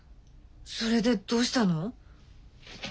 それでどうしたの？